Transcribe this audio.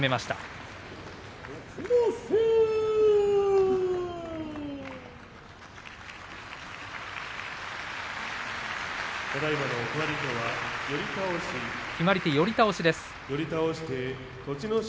拍手決まり手は寄り倒しです。